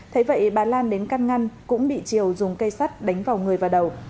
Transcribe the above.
thế vậy bà lan đến căn ngăn cũng bị triều dùng cây sắt đánh vào người và đầu